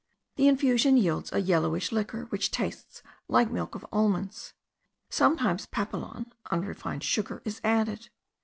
The infusion yields a yellowish liquor, which tastes like milk of almonds. Sometimes papelon (unrefined sugar) is added.